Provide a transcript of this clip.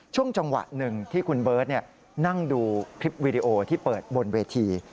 ช่วงจังหวะหนึ่งที่คุณเบิร์ตนั่งดูคลิปวีดีโอที่เปิดบนเวที